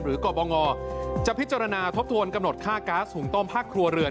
กรบงจะพิจารณาทบทวนกำหนดค่าก๊าซหุงต้มภาคครัวเรือน